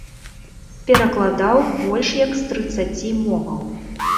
Перакладаў больш як з трыццаці моваў.